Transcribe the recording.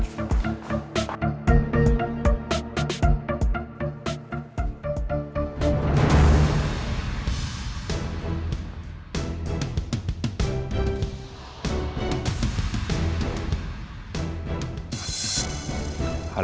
terima kasih dad